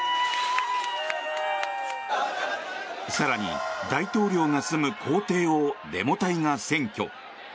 更に、大統領が住む公邸をデモ隊が占拠。